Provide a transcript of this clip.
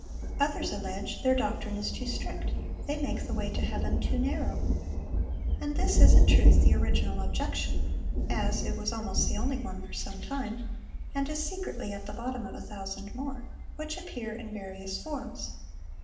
"Others allege, 'Their doctrine is too strict; they make the way to heaven too narrow.' And this is in truth the original objection, (as it was almost the only one for some time,) and is secretly at the bottom of a thousand more, which appear in various forms.